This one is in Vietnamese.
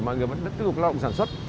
mọi người vẫn tiếp tục lao động sản xuất